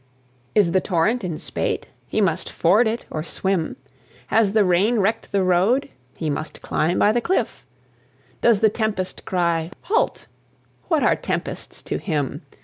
Is the torrent in spate? He must ford it or swim. Has the rain wrecked the road? He must climb by the cliff. Does the tempest cry "Halt"? What are tempests to him?